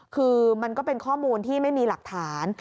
คือมันก็เป็นข้อมูลที่ไม่มีหลักฐาน